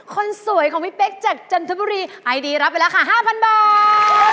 คนสวยของพี่เป๊กจากจันทบุรีไอดีรับไปแล้วค่ะ๕๐๐บาท